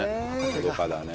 のどかだね。